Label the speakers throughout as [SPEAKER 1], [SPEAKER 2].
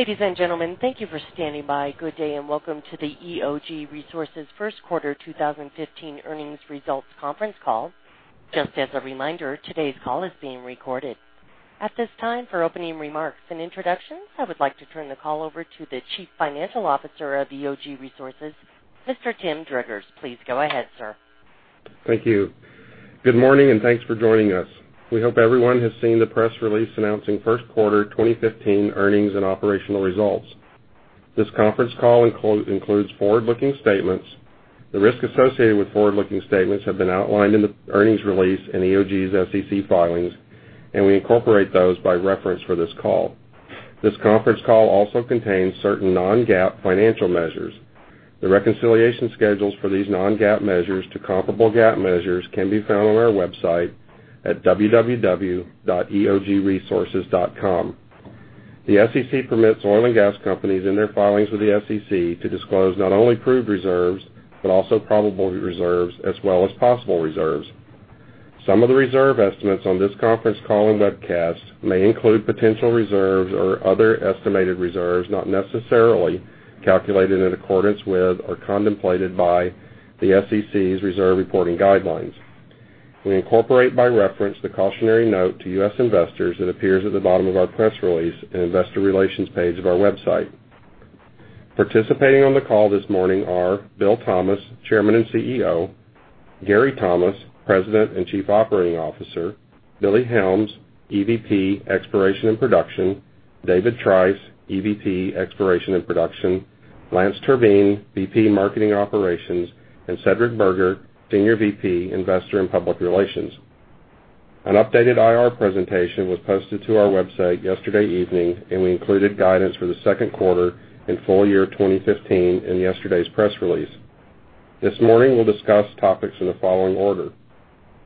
[SPEAKER 1] Ladies and gentlemen, thank you for standing by. Good day, and welcome to the EOG Resources first quarter 2015 earnings results conference call. Just as a reminder, today's call is being recorded. At this time, for opening remarks and introductions, I would like to turn the call over to the Chief Financial Officer of EOG Resources, Mr. Tim Driggers. Please go ahead, sir.
[SPEAKER 2] Thank you. Good morning, and thanks for joining us. We hope everyone has seen the press release announcing first quarter 2015 earnings and operational results. This conference call includes forward-looking statements. The risks associated with forward-looking statements have been outlined in the earnings release in EOG's SEC filings, and we incorporate those by reference for this call. This conference call also contains certain non-GAAP financial measures. The reconciliation schedules for these non-GAAP measures to comparable GAAP measures can be found on our website at www.eogresources.com. The SEC permits oil and gas companies in their filings with the SEC to disclose not only proved reserves, but also probable reserves as well as possible reserves. Some of the reserve estimates on this conference call and webcast may include potential reserves or other estimated reserves not necessarily calculated in accordance with or contemplated by the SEC's reserve reporting guidelines. We incorporate by reference the cautionary note to U.S. investors that appears at the bottom of our press release in the investor relations page of our website. Participating on the call this morning are Bill Thomas, Chairman and CEO; Gary Thomas, President and Chief Operating Officer; Billy Helms, EVP, Exploration and Production; David Trice, EVP, Exploration and Production; Lance Terveen, VP, Marketing Operations; and Cedric Burgher, Senior VP, Investor and Public Relations. An updated IR presentation was posted to our website yesterday evening, and we included guidance for the second quarter and full year 2015 in yesterday's press release. This morning, we'll discuss topics in the following order.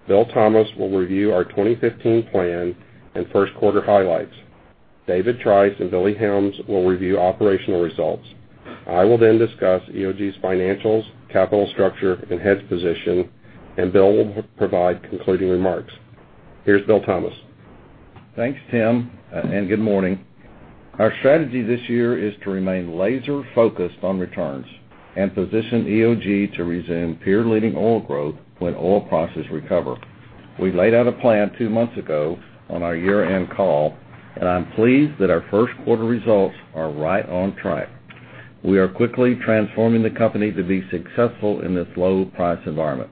[SPEAKER 2] Bill Thomas will review our 2015 plan and first quarter highlights. David Trice and Billy Helms will review operational results. I will then discuss EOG's financials, capital structure, and hedge position, and Bill will provide concluding remarks. Here's Bill Thomas.
[SPEAKER 3] Thanks, Tim, good morning. Our strategy this year is to remain laser-focused on returns and position EOG to resume peer-leading oil growth when oil prices recover. We laid out a plan 2 months ago on our year-end call, and I'm pleased that our first quarter results are right on track. We are quickly transforming the company to be successful in this low price environment.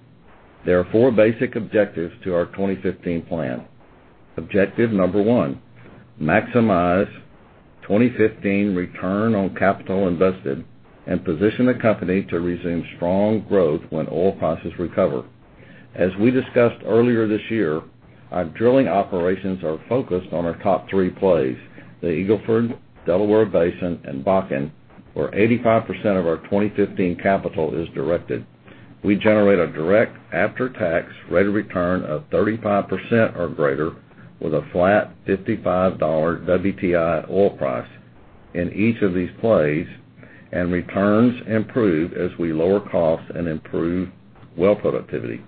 [SPEAKER 3] There are 4 basic objectives to our 2015 plan. Objective number one: maximize 2015 return on capital invested and position the company to resume strong growth when oil prices recover. As we discussed earlier this year, our drilling operations are focused on our top 3 plays, the Eagle Ford, Delaware Basin, and Bakken, where 85% of our 2015 capital is directed. We generate a direct after-tax rate of return of 35% or greater with a flat $55 WTI oil price in each of these plays and returns improve as we lower costs and improve well productivity.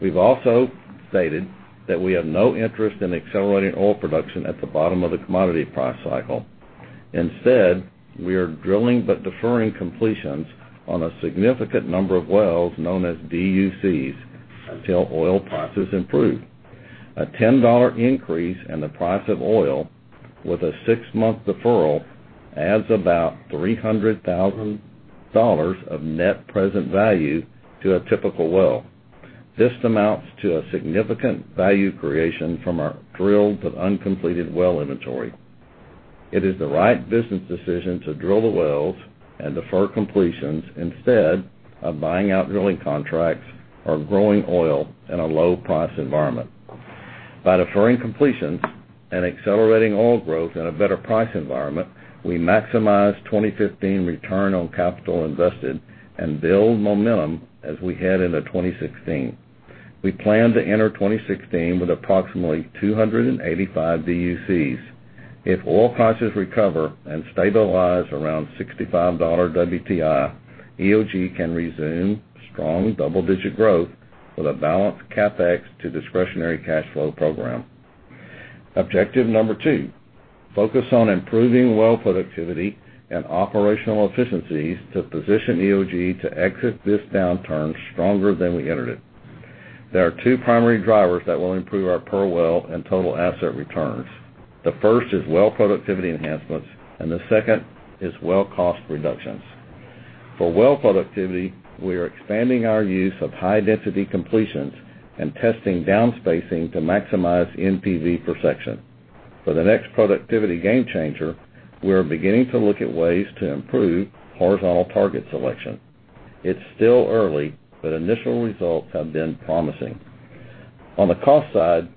[SPEAKER 3] We've also stated that we have no interest in accelerating oil production at the bottom of the commodity price cycle. Instead, we are drilling but deferring completions on a significant number of wells known as DUCs until oil prices improve. A $10 increase in the price of oil with a six-month deferral adds about $300,000 of net present value to a typical well. This amounts to a significant value creation from our drilled but uncompleted well inventory. It is the right business decision to drill the wells and defer completions instead of buying out drilling contracts or growing oil in a low price environment. By deferring completions and accelerating oil growth in a better price environment, we maximize 2015 return on capital invested and build momentum as we head into 2016. We plan to enter 2016 with approximately 285 DUCs. If oil prices recover and stabilize around $65 WTI, EOG can resume strong double-digit growth with a balanced CapEx to discretionary cash flow program. Objective number 2: focus on improving well productivity and operational efficiencies to position EOG to exit this downturn stronger than we entered it. There are two primary drivers that will improve our per well and total asset returns. The first is well productivity enhancements, and the second is well cost reductions. For well productivity, we are expanding our use of high-density completions and testing down-spacing to maximize NPV per section. For the next productivity game changer, we are beginning to look at ways to improve horizontal target selection. It's still early, but initial results have been promising. On the cost side,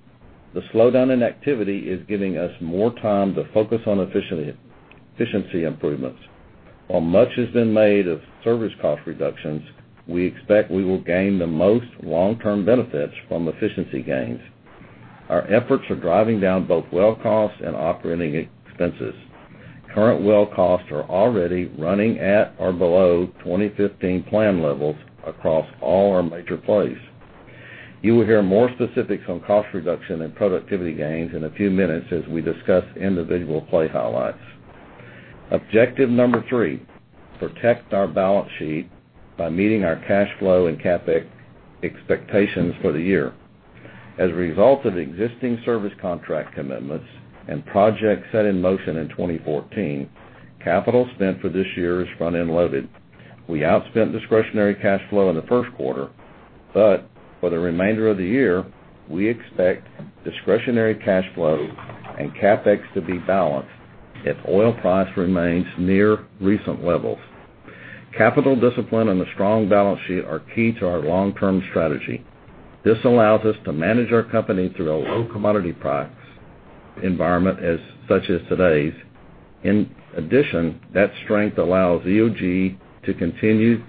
[SPEAKER 3] the slowdown in activity is giving us more time to focus on efficiency improvements. While much has been made of service cost reductions, we expect we will gain the most long-term benefits from efficiency gains. Our efforts are driving down both well costs and operating expenses. Current well costs are already running at or below 2015 plan levels across all our major plays. You will hear more specifics on cost reduction and productivity gains in a few minutes as we discuss individual play highlights. Objective number 3: protect our balance sheet by meeting our cash flow and CapEx expectations for the year. As a result of existing service contract commitments and projects set in motion in 2014, capital spent for this year is front-end loaded. We outspent discretionary cash flow in the first quarter, for the remainder of the year, we expect discretionary cash flow and CapEx to be balanced if oil price remains near recent levels. Capital discipline and a strong balance sheet are key to our long-term strategy. This allows us to manage our company through a low commodity price environment such as today's. In addition, that strength allows EOG to continue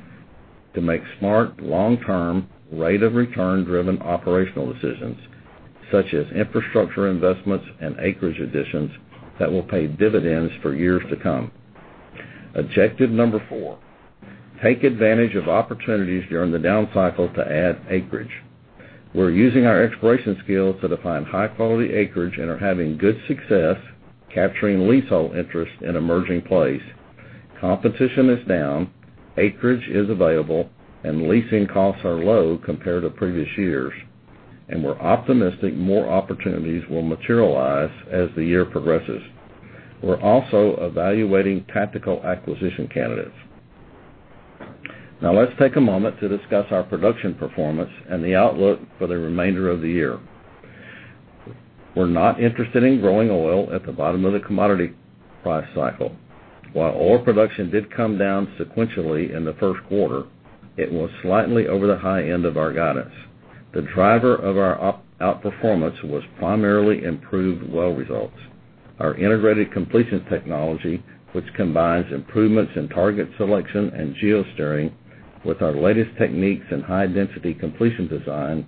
[SPEAKER 3] to make smart, long-term, rate-of-return driven operational decisions such as infrastructure investments and acreage additions that will pay dividends for years to come. Objective number 4: take advantage of opportunities during the down cycle to add acreage. We're using our exploration skills to define high-quality acreage and are having good success capturing leasehold interest in emerging plays. Competition is down, acreage is available, and leasing costs are low compared to previous years. We're optimistic more opportunities will materialize as the year progresses. We're also evaluating tactical acquisition candidates. Let's take a moment to discuss our production performance and the outlook for the remainder of the year. We're not interested in growing oil at the bottom of the commodity price cycle. While oil production did come down sequentially in the first quarter, it was slightly over the high end of our guidance. The driver of our outperformance was primarily improved well results. Our integrated completion technology, which combines improvements in target selection and geosteering with our latest techniques in high-density completion design,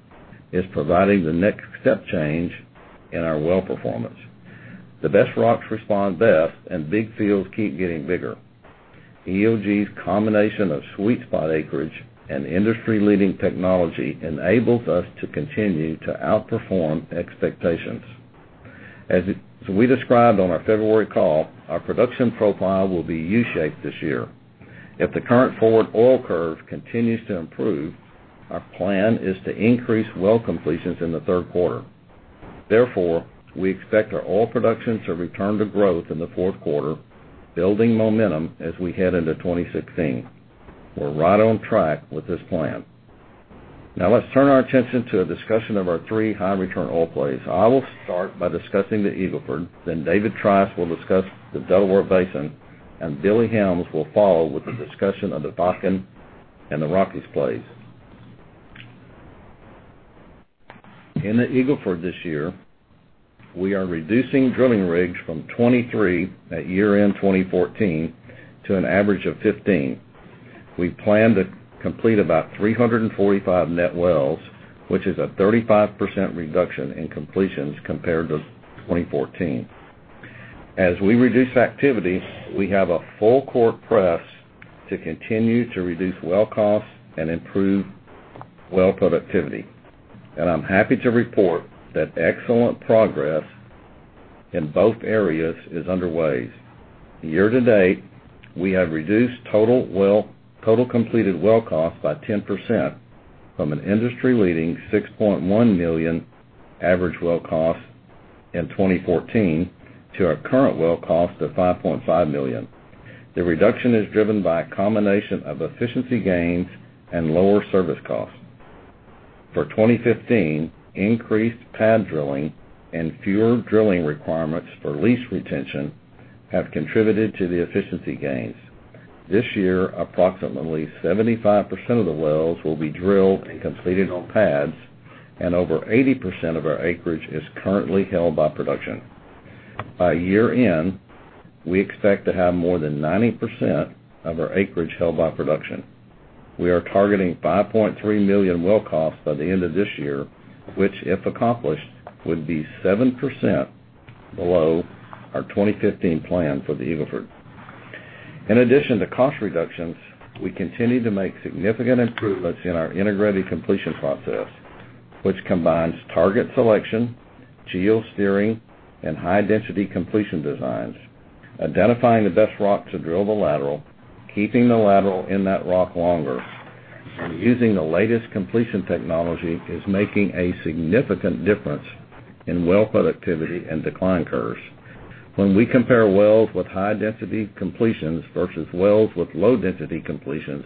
[SPEAKER 3] is providing the next step change in our well performance. The best rocks respond best, and big fields keep getting bigger. EOG's combination of sweet spot acreage and industry-leading technology enables us to continue to outperform expectations. As we described on our February call, our production profile will be U-shaped this year. If the current forward oil curve continues to improve, our plan is to increase well completions in the third quarter. Therefore, we expect our oil production to return to growth in the fourth quarter, building momentum as we head into 2016. We're right on track with this plan. Let's turn our attention to a discussion of our three high-return oil plays. I will start by discussing the Eagle Ford, then David Trice will discuss the Delaware Basin, and Billy Helms will follow with a discussion of the Bakken and the Rockies plays. In the Eagle Ford this year, we are reducing drilling rigs from 23 at year-end 2014 to an average of 15. We plan to complete about 345 net wells, which is a 35% reduction in completions compared to 2014. As we reduce activity, we have a full-court press to continue to reduce well costs and improve well productivity. I'm happy to report that excellent progress in both areas is underway. Year to date, we have reduced total completed well cost by 10% from an industry-leading $6.1 million average well cost in 2014 to our current well cost of $5.5 million. The reduction is driven by a combination of efficiency gains and lower service costs. For 2015, increased pad drilling and fewer drilling requirements for lease retention have contributed to the efficiency gains. This year, approximately 75% of the wells will be drilled and completed on pads, and over 80% of our acreage is currently held by production. By year-end, we expect to have more than 90% of our acreage held by production. We are targeting $5.3 million well costs by the end of this year, which, if accomplished, would be 7% below our 2015 plan for the Eagle Ford. In addition to cost reductions, we continue to make significant improvements in our integrated completion process, which combines target selection, geosteering, and high-density completion designs. Identifying the best rock to drill the lateral, keeping the lateral in that rock longer, and using the latest completion technology is making a significant difference in well productivity and decline curves. When we compare wells with high-density completions versus wells with low-density completions,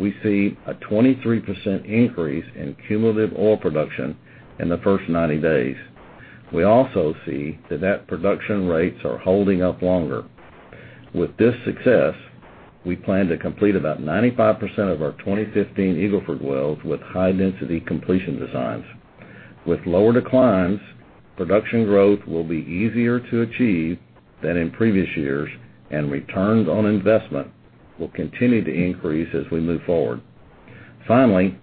[SPEAKER 3] we see a 23% increase in cumulative oil production in the first 90 days. We also see that production rates are holding up longer. With this success, we plan to complete about 95% of our 2015 Eagle Ford wells with high-density completion designs. With lower declines, production growth will be easier to achieve than in previous years, and returns on investment will continue to increase as we move forward. Finally,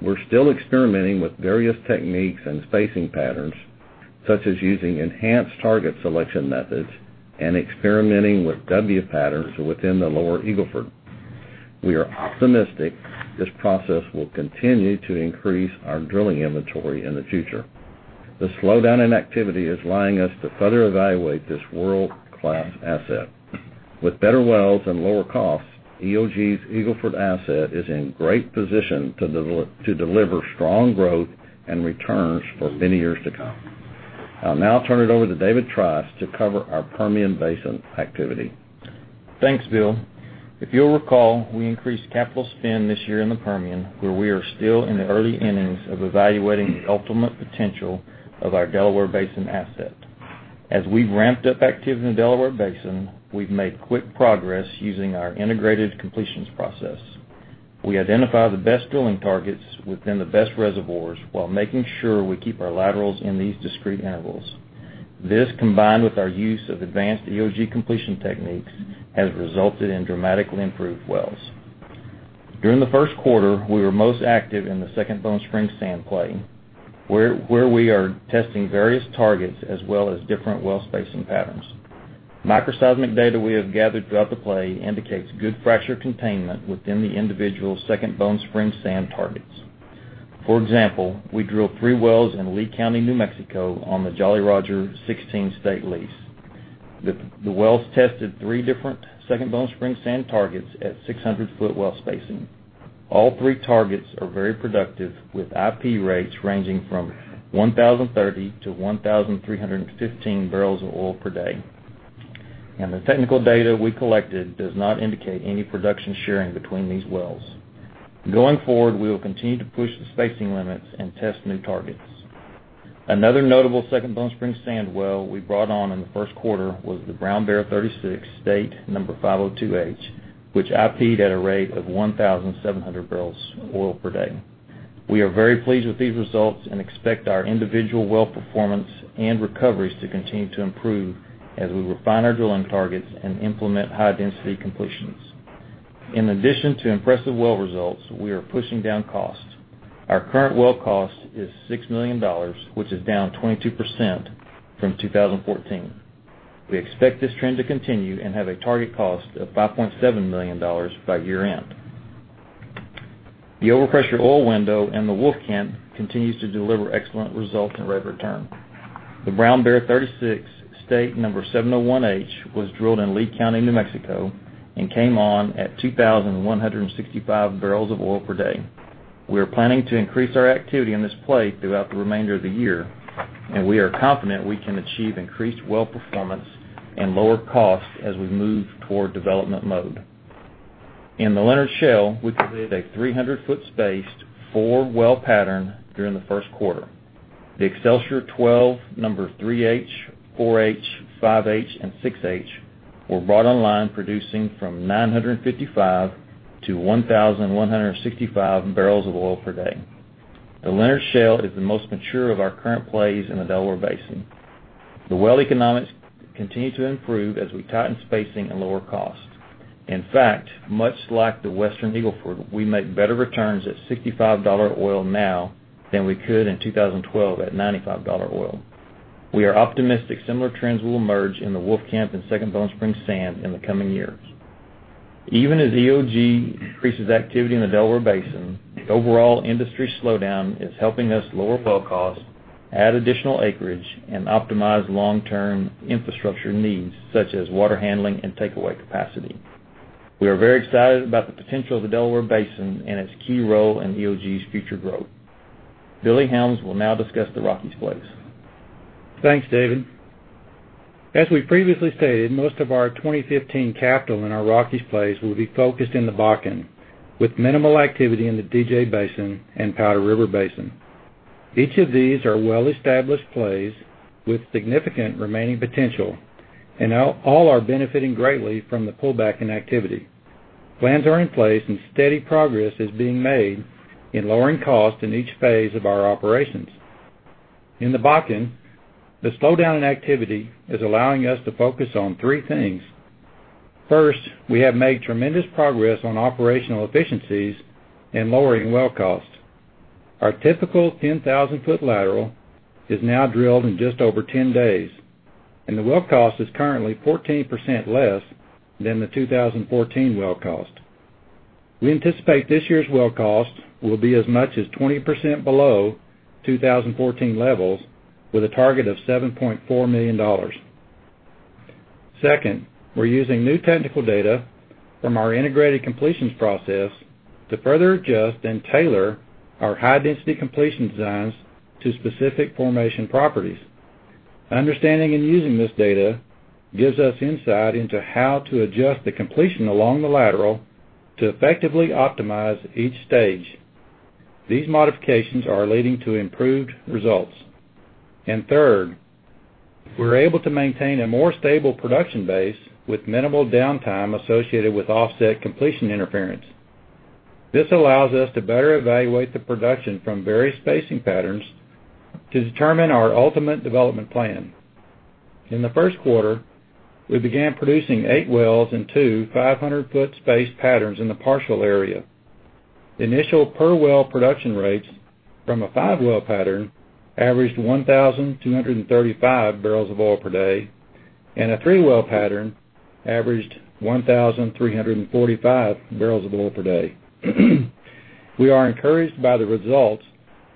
[SPEAKER 3] we're still experimenting with various techniques and spacing patterns, such as using enhanced target selection methods and experimenting with W patterns within the Lower Eagle Ford. We are optimistic this process will continue to increase our drilling inventory in the future. The slowdown in activity is allowing us to further evaluate this world-class asset. With better wells and lower costs, EOG's Eagle Ford asset is in great position to deliver strong growth and returns for many years to come. I'll now turn it over to David Trice to cover our Permian Basin activity.
[SPEAKER 4] Thanks, Bill. If you'll recall, we increased capital spend this year in the Permian, where we are still in the early innings of evaluating the ultimate potential of our Delaware Basin asset. As we've ramped up activity in the Delaware Basin, we've made quick progress using our integrated completions process. We identify the best drilling targets within the best reservoirs while making sure we keep our laterals in these discrete intervals. This, combined with our use of advanced EOG completion techniques, has resulted in dramatically improved wells. During the first quarter, we were most active in the Second Bone Spring Sand play, where we are testing various targets as well as different well spacing patterns. Micro seismic data we have gathered throughout the play indicates good fracture containment within the individual Second Bone Spring Sand targets. For example, we drilled three wells in Lea County, New Mexico, on the Jolly Roger 16 state lease. The wells tested three different Second Bone Spring Sand targets at 600 foot well spacing. All three targets are very productive, with IP rates ranging from 1,030-1,315 barrels of oil per day. The technical data we collected does not indicate any production sharing between these wells. Going forward, we will continue to push the spacing limits and test new targets. Another notable Second Bone Spring Sand well we brought on in the first quarter was the Brown Bear 36, state number 502H, which IP'd at a rate of 1,700 barrels of oil per day. We are very pleased with these results and expect our individual well performance and recoveries to continue to improve as we refine our drilling targets and implement high-density completions. In addition to impressive well results, we are pushing down costs. Our current well cost is $6 million, which is down 22% from 2014. We expect this trend to continue and have a target cost of $5.7 million by year-end. The overpressure oil window in the Wolfcamp continues to deliver excellent results and rate of return. The Brown Bear 36 state number 701H was drilled in Lea County, New Mexico, and came on at 2,165 barrels of oil per day. We are planning to increase our activity in this play throughout the remainder of the year. We are confident we can achieve increased well performance and lower costs as we move toward development mode. In the Leonard Shale, we completed a 300-foot spaced four-well pattern during the first quarter. The Excelsior 12 number 3H, 4H, 5H, and 6H were brought online, producing from 955 to 1,165 barrels of oil per day. The Leonard Shale is the most mature of our current plays in the Delaware Basin. The well economics continue to improve as we tighten spacing and lower costs. In fact, much like the Western Eagle Ford, we make better returns at $65 oil now than we could in 2012 at $95 oil. We are optimistic similar trends will emerge in the Wolfcamp and Second Bone Spring Sand in the coming years. Even as EOG increases activity in the Delaware Basin, the overall industry slowdown is helping us lower well costs, add additional acreage, and optimize long-term infrastructure needs, such as water handling and takeaway capacity. We are very excited about the potential of the Delaware Basin and its key role in EOG's future growth. Billy Helms will now discuss the Rockies plays.
[SPEAKER 5] Thanks, David. As we previously stated, most of our 2015 capital in our Rockies plays will be focused in the Bakken, with minimal activity in the DJ Basin and Powder River Basin. Each of these are well-established plays with significant remaining potential. All are benefiting greatly from the pullback in activity. Plans are in place and steady progress is being made in lowering costs in each phase of our operations. In the Bakken, the slowdown in activity is allowing us to focus on three things. First, we have made tremendous progress on operational efficiencies and lowering well costs. Our typical 10,000-foot lateral is now drilled in just over 10 days, and the well cost is currently 14% less than the 2014 well cost. We anticipate this year's well cost will be as much as 20% below 2014 levels, with a target of $7.4 million. Second, we're using new technical data from our integrated completions process to further adjust and tailor our high-density completion designs to specific formation properties. Understanding and using this data gives us insight into how to adjust the completion along the lateral to effectively optimize each stage. These modifications are leading to improved results. Third, we're able to maintain a more stable production base with minimal downtime associated with offset completion interference. This allows us to better evaluate the production from various spacing patterns to determine our ultimate development plan. In the first quarter, we began producing eight wells and two 500-foot spaced patterns in the Parshall area. Initial per-well production rates from a five-well pattern averaged 1,235 barrels of oil per day, and a three-well pattern averaged 1,345 barrels of oil per day. We are encouraged by the results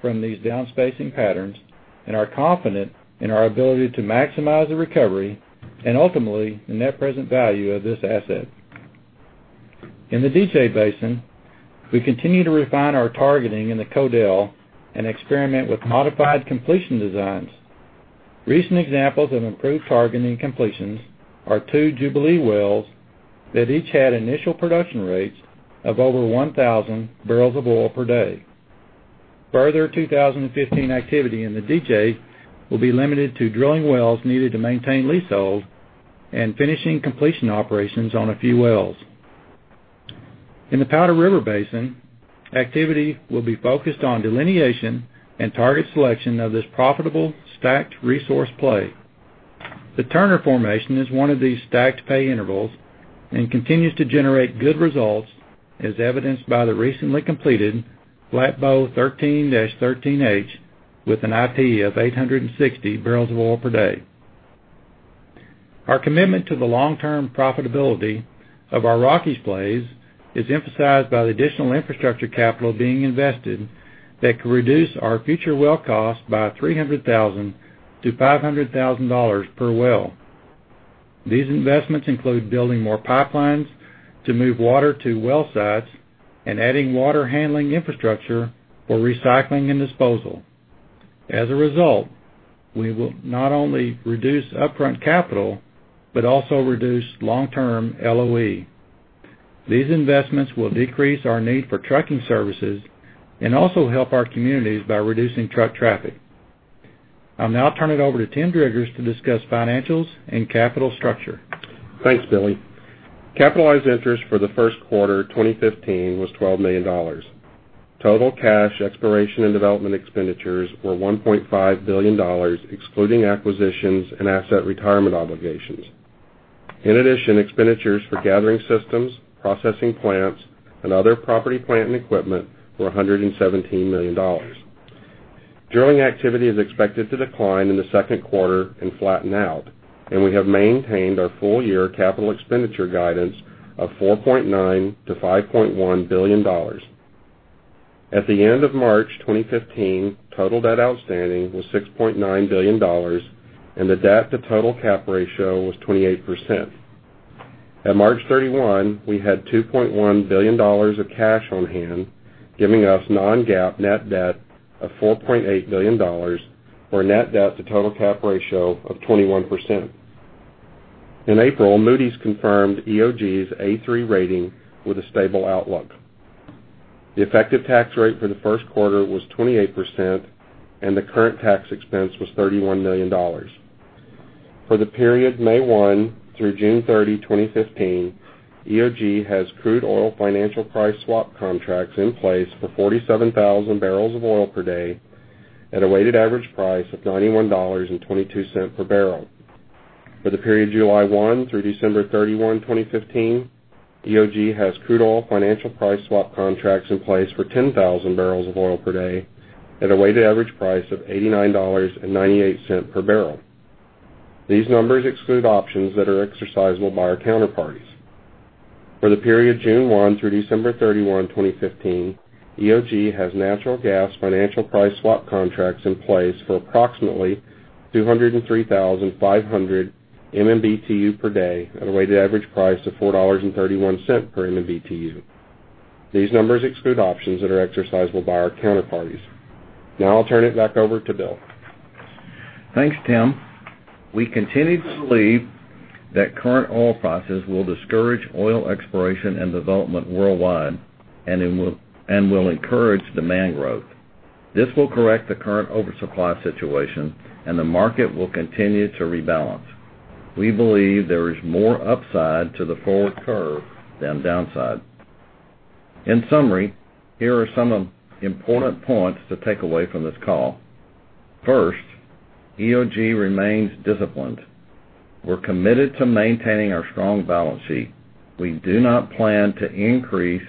[SPEAKER 5] from these down spacing patterns and are confident in our ability to maximize the recovery and ultimately the net present value of this asset. In the DJ Basin, we continue to refine our targeting in the Codell and experiment with modified completion designs. Recent examples of improved targeting completions are two Jubilee wells that each had initial production rates of over 1,000 barrels of oil per day. Further 2015 activity in the DJ will be limited to drilling wells needed to maintain leasehold and finishing completion operations on a few wells. In the Powder River Basin, activity will be focused on delineation and target selection of this profitable stacked resource play. The Turner Formation is one of these stacked pay intervals and continues to generate good results, as evidenced by the recently completed Flatbow 13-13H, with an IP of 860 barrels of oil per day. Our commitment to the long-term profitability of our Rockies plays is emphasized by the additional infrastructure capital being invested that could reduce our future well cost by $300,000-$500,000 per well. These investments include building more pipelines to move water to well sites and adding water handling infrastructure for recycling and disposal. As a result, we will not only reduce upfront capital but also reduce long-term LOE. These investments will decrease our need for trucking services and also help our communities by reducing truck traffic. I'll now turn it over to Tim Driggers to discuss financials and capital structure.
[SPEAKER 2] Thanks, Billy. Capitalized interest for the first quarter 2015 was $12 million. Total cash exploration and development expenditures were $1.5 billion, excluding acquisitions and asset retirement obligations. In addition, expenditures for gathering systems, processing plants, and other property, plant, and equipment were $117 million. Drilling activity is expected to decline in the second quarter and flatten out. We have maintained our full-year capital expenditure guidance of $4.9 billion-$5.1 billion. At the end of March 2015, total debt outstanding was $6.9 billion, and the debt to total cap ratio was 28%. At March 31, we had $2.1 billion of cash on hand, giving us non-GAAP net debt of $4.8 billion, or net debt to total cap ratio of 21%. In April, Moody's confirmed EOG's A3 rating with a stable outlook. The effective tax rate for the first quarter was 28%, and the current tax expense was $31 million. For the period May 1 through June 30, 2015, EOG has crude oil financial price swap contracts in place for 47,000 barrels of oil per day at a weighted average price of $91.22 per barrel. For the period July 1 through December 31, 2015, EOG has crude oil financial price swap contracts in place for 10,000 barrels of oil per day at a weighted average price of $89.98 per barrel. These numbers exclude options that are exercisable by our counterparties. For the period June 1 through December 31, 2015, EOG has natural gas financial price swap contracts in place for approximately 203,500 MMBtu per day at a weighted average price of $4.31 per MMBtu. These numbers exclude options that are exercisable by our counterparties. I'll turn it back over to Bill.
[SPEAKER 3] Thanks, Tim. We continue to believe that current oil prices will discourage oil exploration and development worldwide will encourage demand growth. This will correct the current oversupply situation, the market will continue to rebalance. We believe there is more upside to the forward curve than downside. In summary, here are some important points to take away from this call. First, EOG remains disciplined. We're committed to maintaining our strong balance sheet. We do not plan to increase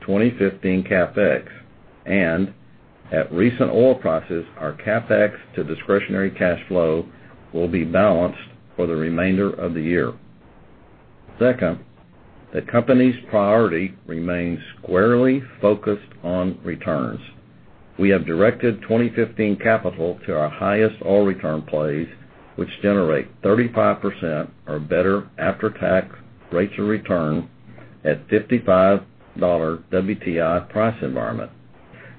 [SPEAKER 3] 2015 CapEx, and at recent oil prices, our CapEx to discretionary cash flow will be balanced for the remainder of the year. Second, the company's priority remains squarely focused on returns. We have directed 2015 capital to our highest oil return plays, which generate 35% or better after-tax rates of return at $55 WTI price environment.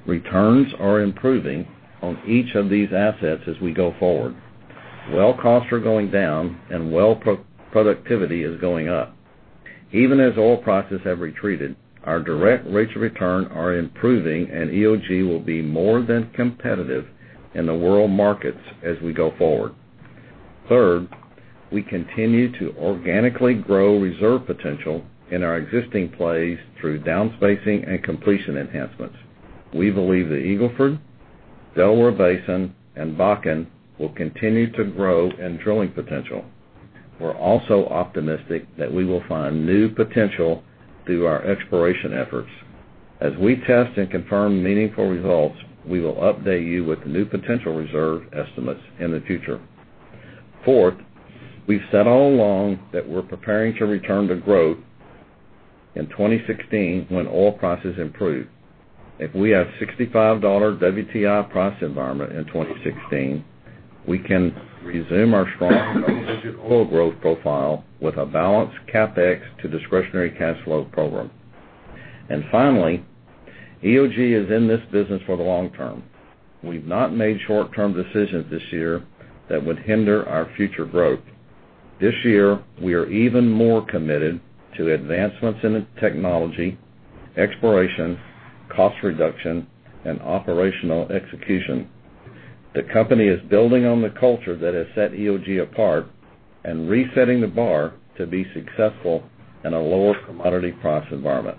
[SPEAKER 3] Returns are improving on each of these assets as we go forward. Well costs are going down, well productivity is going up. Even as oil prices have retreated, our direct rates of return are improving, EOG will be more than competitive in the world markets as we go forward. Third, we continue to organically grow reserve potential in our existing plays through down spacing and completion enhancements. We believe the Eagle Ford Delaware Basin and Bakken will continue to grow in drilling potential. We're also optimistic that we will find new potential through our exploration efforts. As we test and confirm meaningful results, we will update you with new potential reserve estimates in the future. Fourth, we've said all along that we're preparing to return to growth in 2016 when oil prices improve. If we have $65 WTI price environment in 2016, we can resume our strong two-digit oil growth profile with a balanced CapEx to discretionary cash flow program. Finally, EOG is in this business for the long term. We've not made short-term decisions this year that would hinder our future growth. This year, we are even more committed to advancements in technology, exploration, cost reduction, and operational execution. The company is building on the culture that has set EOG apart and resetting the bar to be successful in a lower commodity price environment.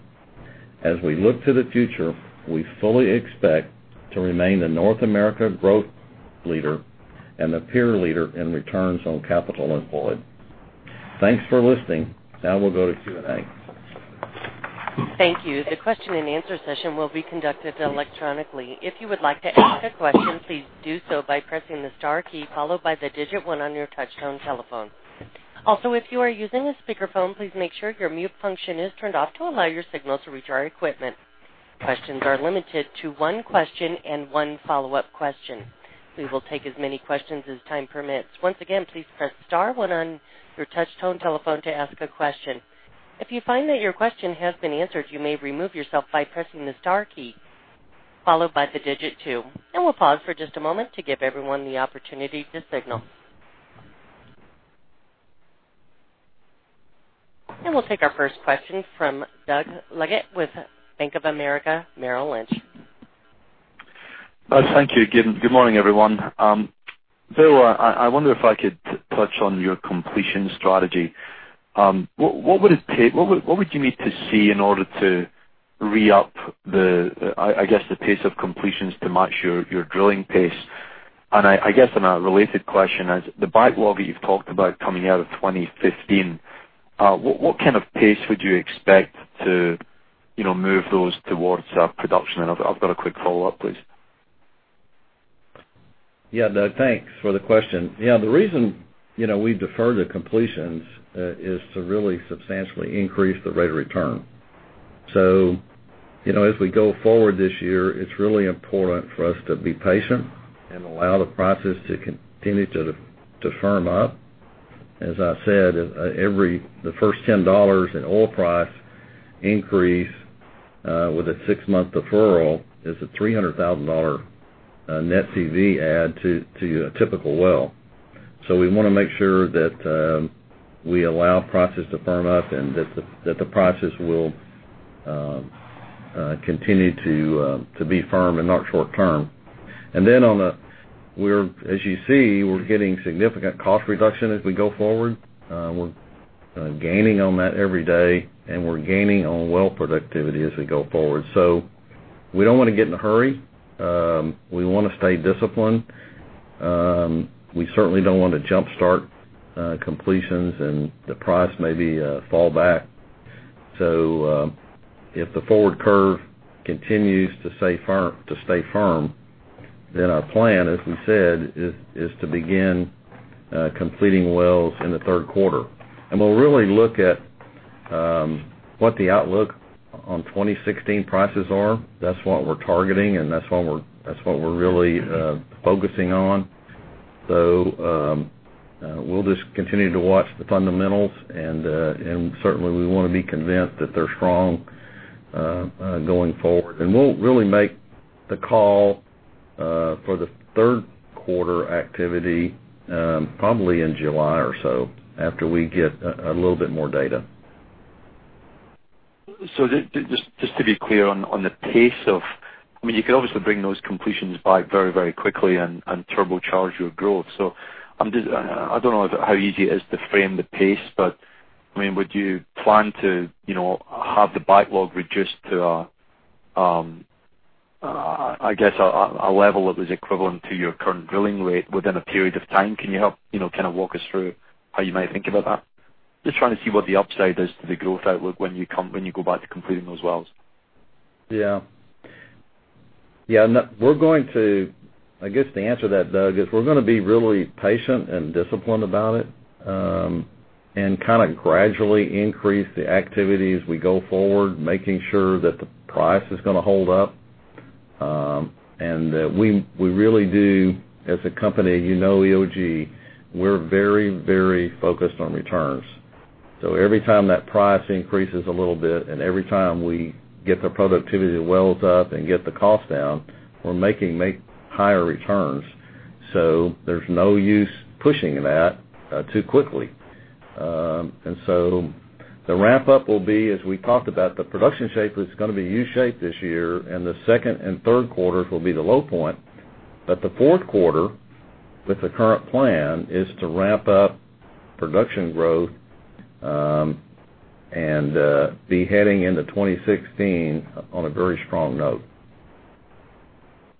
[SPEAKER 3] As we look to the future, we fully expect to remain the North America growth leader and the peer leader in returns on capital employed. Thanks for listening. Now we'll go to Q&A.
[SPEAKER 1] Thank you. The question and answer session will be conducted electronically. If you would like to ask a question, please do so by pressing the star key, followed by the digit 1 on your touchtone telephone. Also, if you are using a speakerphone, please make sure your mute function is turned off to allow your signal to reach our equipment. Questions are limited to 1 question and 1 follow-up question. We will take as many questions as time permits. Once again, please press star 1 on your touchtone telephone to ask a question. If you find that your question has been answered, you may remove yourself by pressing the star key, followed by the digit 2. We'll pause for just a moment to give everyone the opportunity to signal. We'll take our first question from Doug Leggate with Bank of America Merrill Lynch.
[SPEAKER 6] Doug, thank you. Good morning, everyone. Bill, I wonder if I could touch on your completion strategy. What would you need to see in order to re-up the, I guess, the pace of completions to match your drilling pace? I guess in a related question, as the backlog that you've talked about coming out of 2015, what kind of pace would you expect to move those towards production? I've got a quick follow-up, please.
[SPEAKER 3] Yeah, Doug. Thanks for the question. The reason we deferred the completions is to really substantially increase the rate of return. As we go forward this year, it's really important for us to be patient and allow the prices to continue to firm up. As I said, the first $10 in oil price increase with a six-month deferral is a $300,000 net [CV] add to a typical well. We want to make sure that we allow prices to firm up and that the prices will continue to be firm and not short term. As you see, we're getting significant cost reduction as we go forward. We're gaining on that every day, and we're gaining on well productivity as we go forward. We don't want to get in a hurry. We want to stay disciplined. We certainly don't want to jumpstart completions and the price maybe fall back. If the forward curve continues to stay firm, our plan, as we said, is to begin completing wells in the third quarter. We'll really look at what the outlook on 2016 prices are. That's what we're targeting, and that's what we're really focusing on. We'll just continue to watch the fundamentals and certainly we want to be convinced that they're strong going forward. We'll really make the call for the third quarter activity probably in July or so, after we get a little bit more data.
[SPEAKER 6] Just to be clear on the pace of you could obviously bring those completions by very, very quickly and turbocharge your growth. I don't know how easy it is to frame the pace, but would you plan to have the backlog reduced to, I guess, a level that was equivalent to your current drilling rate within a period of time? Can you help walk us through how you may think about that? Just trying to see what the upside is to the growth outlook when you go back to completing those wells.
[SPEAKER 3] Yeah. I guess to answer that, Doug, is we're going to be really patient and disciplined about it and gradually increase the activity as we go forward, making sure that the price is going to hold up. That we really do as a company, you know EOG, we're very, very focused on returns. Every time that price increases a little bit, and every time we get the productivity wells up and get the cost down, we're making higher returns. There's no use pushing that too quickly. The ramp up will be, as we talked about, the production shape is going to be U-shaped this year, and the second and third quarters will be the low point. The fourth quarter with the current plan is to ramp up production growth and be heading into 2016 on a very strong note.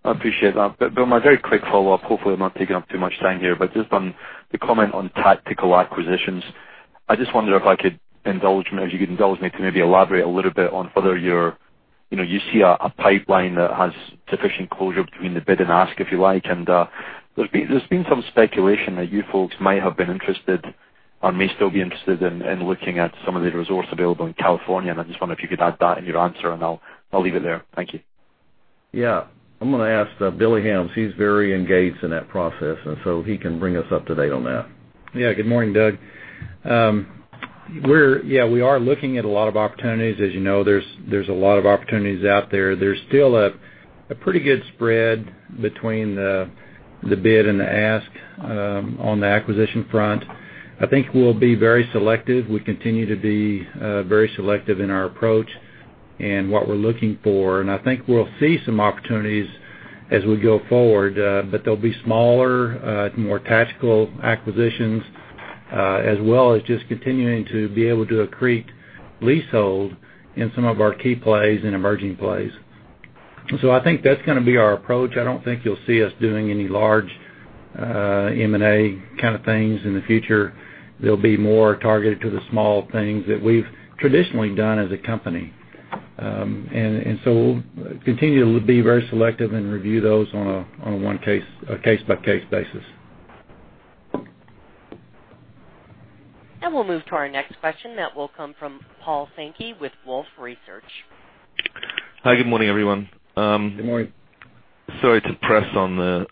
[SPEAKER 6] I appreciate that. Bill, my very quick follow-up. Hopefully, I'm not taking up too much time here, but just on the comment on tactical acquisitions, I just wondered if you could indulge me to maybe elaborate a little bit on whether you see a pipeline that has sufficient closure between the bid and ask, if you like. There's been some speculation that you folks might have been interested, or may still be interested in looking at some of the resource available in California, I just wonder if you could add that in your answer, and I'll leave it there. Thank you.
[SPEAKER 3] Yeah. I'm going to ask Billy Helms. He's very engaged in that process, he can bring us up to date on that.
[SPEAKER 5] Yeah. Good morning, Doug. We are looking at a lot of opportunities. As you know, there's a lot of opportunities out there. There's still a pretty good spread between the bid and the ask on the acquisition front. I think we'll be very selective. We continue to be very selective in our approach and what we're looking for. I think we'll see some opportunities as we go forward. They'll be smaller, more tactical acquisitions, as well as just continuing to be able to accrete leasehold in some of our key plays and emerging plays. I think that's going to be our approach. I don't think you'll see us doing any large M&A things in the future. They'll be more targeted to the small things that we've traditionally done as a company. We'll continue to be very selective and review those on a case-by-case basis.
[SPEAKER 1] We'll move to our next question that will come from Paul Sankey with Wolfe Research.
[SPEAKER 7] Hi, good morning, everyone.
[SPEAKER 3] Good morning.
[SPEAKER 7] Sorry to press on the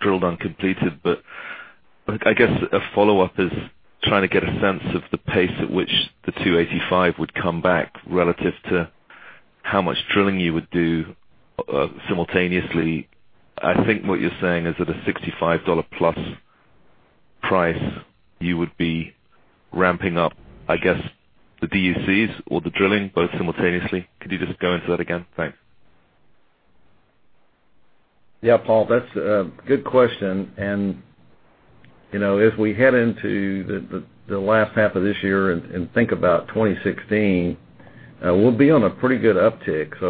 [SPEAKER 7] drilled uncompleted, I guess a follow-up is trying to get a sense of the pace at which the 285 would come back relative to how much drilling you would do simultaneously. I think what you're saying is at a $65 plus price, you would be ramping up, I guess, the DUCs or the drilling both simultaneously. Could you just go into that again? Thanks.
[SPEAKER 3] Yeah, Paul, that's a good question. If we head into the last half of this year and think about 2016, we'll be on a pretty good uptick.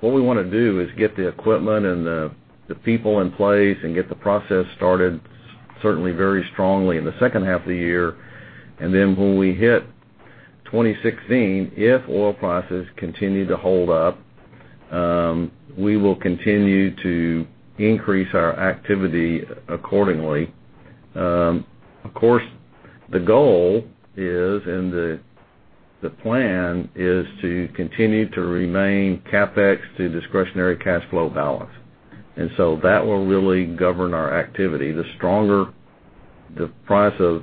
[SPEAKER 3] What we want to do is get the equipment and the people in place and get the process started certainly very strongly in the second half of the year. Then when we hit 2016, if oil prices continue to hold up, we will continue to increase our activity accordingly. Of course, the goal is, and the plan is to continue to remain CapEx to discretionary cash flow balance. That will really govern our activity. The stronger the price of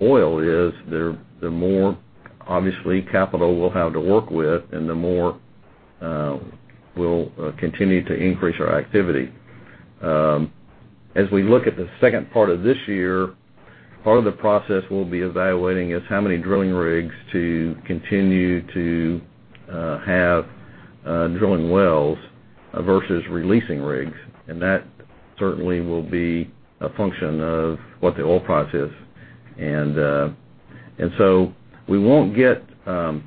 [SPEAKER 3] oil is, the more obviously capital we'll have to work with, and the more we'll continue to increase our activity. As we look at the second part of this year, part of the process we'll be evaluating is how many drilling rigs to continue to have drilling wells versus releasing rigs. That certainly will be a function of what the oil price is. We won't get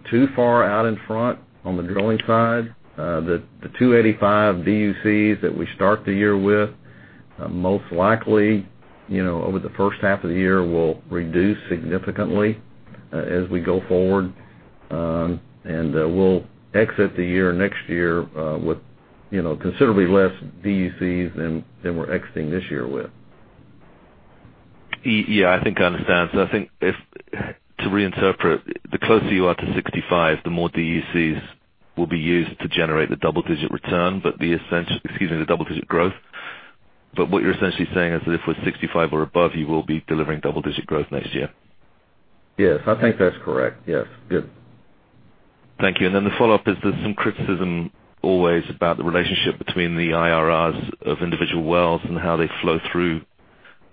[SPEAKER 3] too far out in front on the drilling side. The 285 DUCs that we start the year with, most likely, over the first half of the year, will reduce significantly as we go forward. We'll exit the year next year with considerably less DUCs than we're exiting this year with.
[SPEAKER 7] Yeah, I think I understand. I think if, to reinterpret, the closer you are to 65, the more DUCs will be used to generate the double-digit growth. What you're essentially saying is that if we're 65 or above, you will be delivering double-digit growth next year.
[SPEAKER 3] Yes. I think that's correct. Yes. Good.
[SPEAKER 7] Thank you. Then the follow-up is there's some criticism always about the relationship between the IRRs of individual wells and how they flow through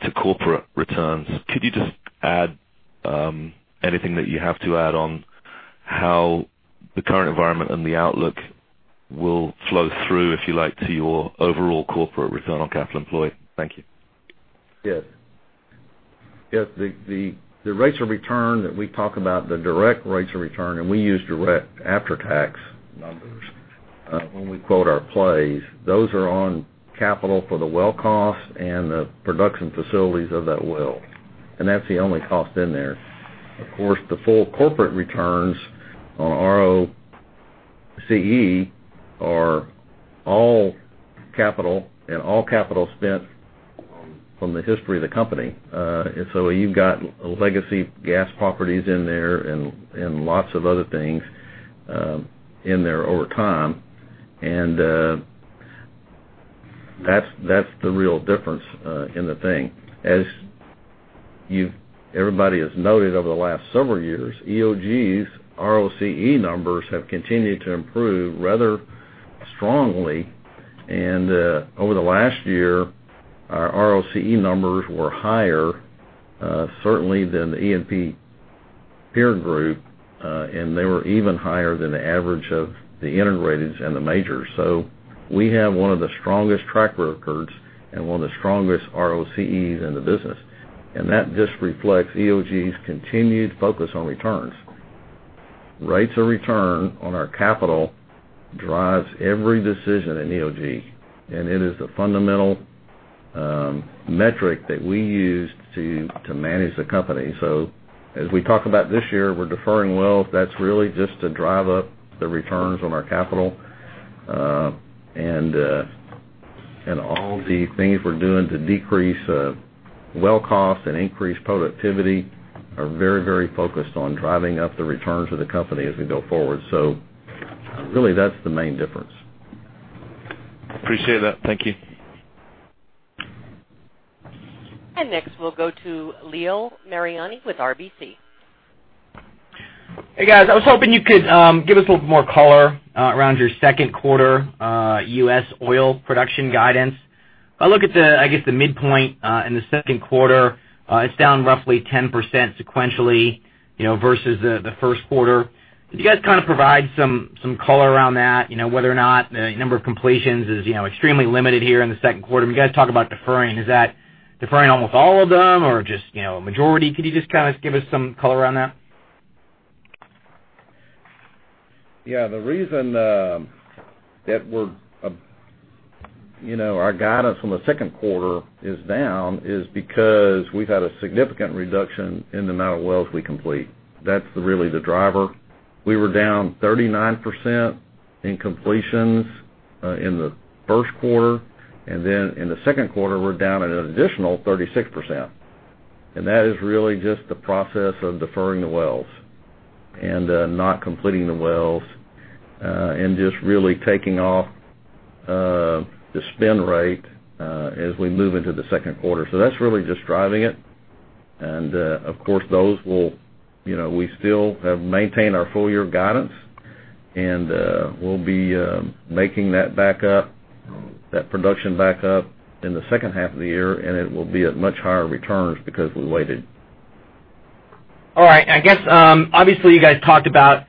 [SPEAKER 7] to corporate returns. Could you just add anything that you have to add on how the current environment and the outlook will flow through, if you like, to your overall corporate return on capital employed? Thank you.
[SPEAKER 3] Yes. The rates of return that we talk about, the direct rates of return. We use direct after-tax numbers when we quote our plays. Those are on capital for the well cost and the production facilities of that well, and that's the only cost in there. Of course, the full corporate returns on ROCE are all capital and all capital spent from the history of the company. You've got legacy gas properties in there and lots of other things in there over time. That's the real difference in the thing. As everybody has noted over the last several years, EOG's ROCE numbers have continued to improve rather strongly. Over the last year, our ROCE numbers were higher, certainly than the E&P peer group, and they were even higher than the average of the integrated and the majors. We have one of the strongest track records and one of the strongest ROCEs in the business, and that just reflects EOG's continued focus on returns. Rates of return on our capital drives every decision in EOG, and it is the fundamental metric that we use to manage the company. As we talk about this year, we're deferring wells. That's really just to drive up the returns on our capital. All the things we're doing to decrease well cost and increase productivity are very focused on driving up the returns of the company as we go forward. Really that's the main difference.
[SPEAKER 7] Appreciate that. Thank you.
[SPEAKER 8] Next, we'll go to Leo Mariani with RBC.
[SPEAKER 9] Hey, guys. I was hoping you could give us a little bit more color around your second quarter U.S. oil production guidance. If I look at the midpoint in the second quarter, it's down roughly 10% sequentially, versus the first quarter. Could you guys provide some color around that, whether or not the number of completions is extremely limited here in the second quarter? When you guys talk about deferring, is that deferring almost all of them or just a majority? Could you just give us some color around that?
[SPEAKER 3] Yeah. The reason our guidance on the second quarter is down is because we've had a significant reduction in the amount of wells we complete. That's really the driver. We were down 39% in completions in the first quarter, then in the second quarter, we're down at an additional 36%. That is really just the process of deferring the wells and not completing the wells, and just really taking off the spend rate as we move into the second quarter. That's really just driving it. Of course, we still have maintained our full-year guidance. We'll be making that production back up in the second half of the year, and it will be at much higher returns because we waited.
[SPEAKER 9] All right. Obviously, you guys talked about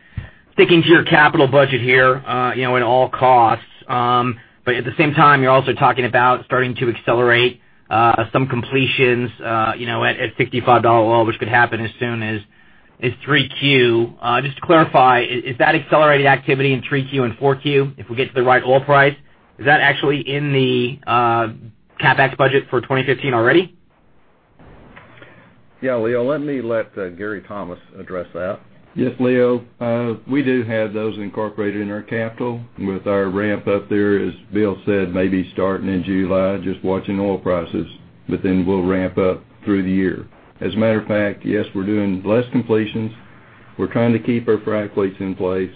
[SPEAKER 9] sticking to your capital budget here in all costs. At the same time, you're also talking about starting to accelerate some completions at $55 oil, which could happen as soon as 3Q. Just to clarify, is that accelerated activity in 3Q and 4Q if we get to the right oil price? Is that actually in the CapEx budget for 2015 already?
[SPEAKER 3] Yeah, Leo, let me let Gary Thomas address that.
[SPEAKER 10] Yes, Leo. We do have those incorporated in our capital with our ramp up there, as Bill said, maybe starting in July, just watching oil prices, we'll ramp up through the year. As a matter of fact, yes, we're doing less completions. We're trying to keep our frac fleets in place.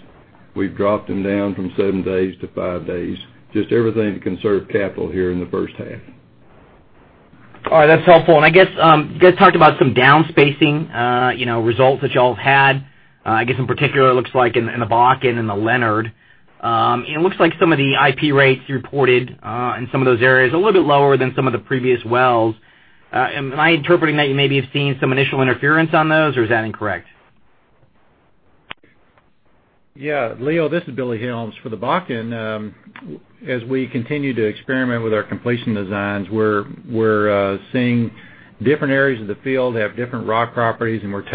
[SPEAKER 10] We've dropped them down from seven days to five days. Just everything to conserve capital here in the first half.
[SPEAKER 9] All right. That's helpful. You guys talked about some down-spacing results that you all have had. I guess in particular, it looks like in the Bakken and the Leonard. It looks like some of the IP rates you reported in some of those areas are a little bit lower than some of the previous wells. Am I interpreting that you maybe have seen some initial interference on those, or is that incorrect?
[SPEAKER 5] Yeah, Leo, this is Billy Helms. For the Bakken, as we continue to experiment with our completion designs, we're seeing different areas of the field have different rock properties, and we're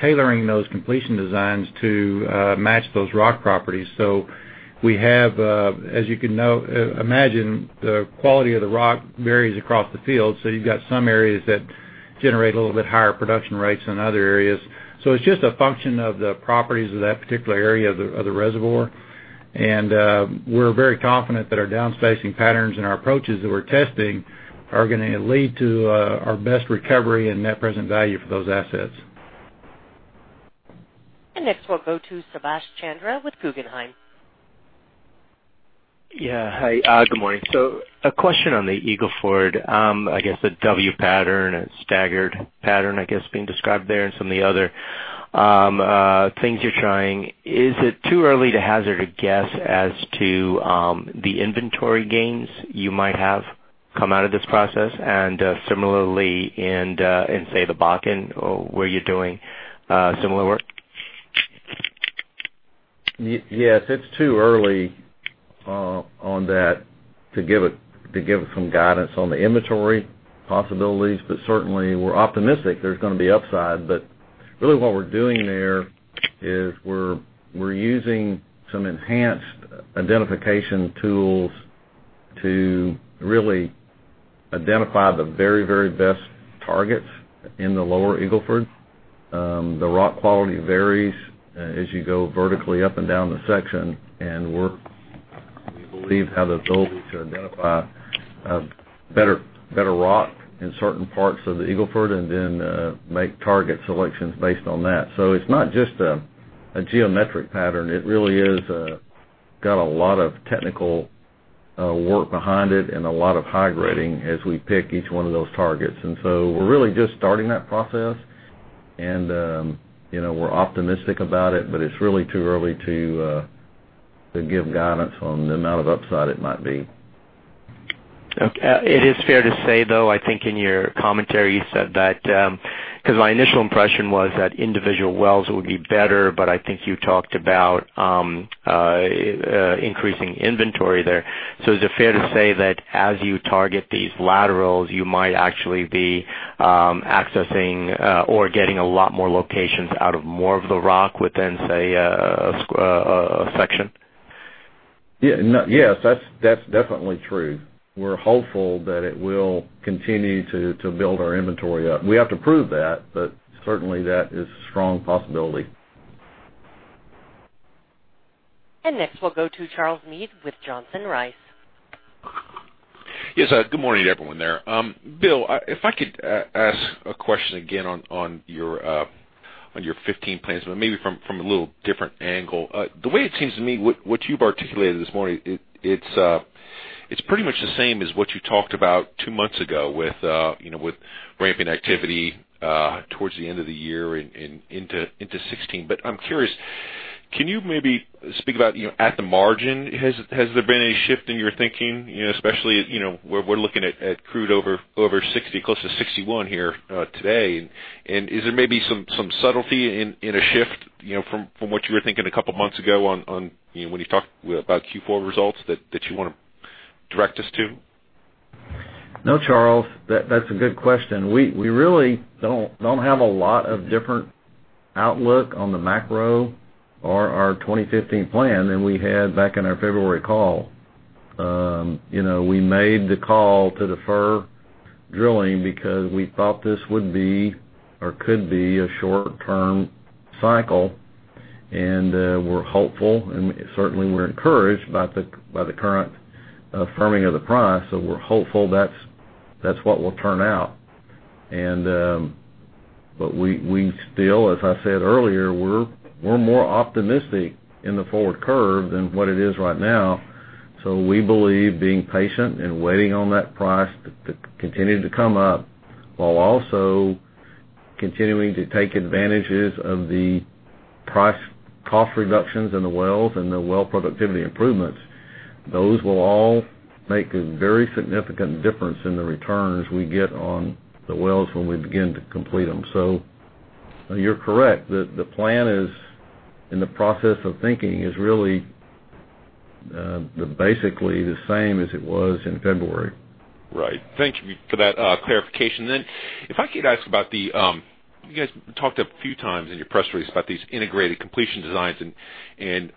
[SPEAKER 5] tailoring those completion designs to match those rock properties. We have, as you can imagine, the quality of the rock varies across the field, so you've got some areas that generate a little bit higher production rates than other areas. It's just a function of the properties of that particular area of the reservoir. We're very confident that our down-spacing patterns and our approaches that we're testing are going to lead to our best recovery and net present value for those assets.
[SPEAKER 1] Next, we'll go to Subash Chandra with Guggenheim.
[SPEAKER 11] Yeah. Hi, good morning. A question on the Eagle Ford. I guess the W pattern, a staggered pattern, I guess, being described there and some of the other things you're trying. Is it too early to hazard a guess as to the inventory gains you might have come out of this process? Similarly, in, say, the Bakken, where you're doing similar work?
[SPEAKER 3] Yes, it's too early on that to give some guidance on the inventory possibilities. Certainly, we're optimistic there's going to be upside. Really what we're doing there is we're using some enhanced identification tools to really identify the very best targets in the lower Eagle Ford. The rock quality varies as you go vertically up and down the section, and we believe have the ability to identify better rock in certain parts of the Eagle Ford and then make target selections based on that. It's not just a geometric pattern. It really has got a lot of technical work behind it and a lot of high grading as we pick each one of those targets. We're really just starting that process and we're optimistic about it, but it's really too early to give guidance on the amount of upside it might be.
[SPEAKER 11] It is fair to say, though, I think in your commentary you said that, because my initial impression was that individual wells would be better, but I think you talked about increasing inventory there. Is it fair to say that as you target these laterals, you might actually be accessing or getting a lot more locations out of more of the rock within, say, a section?
[SPEAKER 3] Yes, that's definitely true. We're hopeful that it will continue to build our inventory up. We have to prove that, but certainly that is a strong possibility.
[SPEAKER 1] Next, we'll go to Charles Meade with Johnson Rice.
[SPEAKER 12] Yes, good morning, everyone there. Bill, if I could ask a question again on your 2015 plans, but maybe from a little different angle. The way it seems to me, what you've articulated this morning, it's pretty much the same as what you talked about two months ago with ramping activity towards the end of the year and into 2016. I'm curious, can you maybe speak about at the margin, has there been any shift in your thinking? Especially, we're looking at crude over 60, close to 61 here today. Is there maybe some subtlety in a shift from what you were thinking a couple of months ago when you talked about Q4 results that you want to direct us to?
[SPEAKER 3] No, Charles, that's a good question. We really don't have a lot of different outlook on the macro or our 2015 plan than we had back in our February call. We made the call to defer drilling because we thought this would be or could be a short-term cycle. We're hopeful and certainly we're encouraged by the current firming of the price. We're hopeful that's what will turn out. We still, as I said earlier, we're more optimistic in the forward curve than what it is right now. We believe being patient and waiting on that price to continue to come up, while also continuing to take advantages of the price cost reductions in the wells and the well productivity improvements, those will all make a very significant difference in the returns we get on the wells when we begin to complete them. You're correct. The plan is in the process of thinking is really basically the same as it was in February.
[SPEAKER 12] Right. Thank you for that clarification. If I could ask about, you guys talked a few times in your press release about these integrated completion designs and